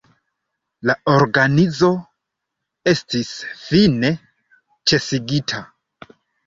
La organizo estis fine ĉesigita.